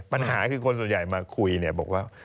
ปัญหาคือคนส่วนใหญ่มาคุยเนี่ยบอกว่า